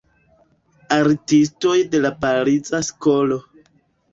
Artistoj de la Pariza Skolo".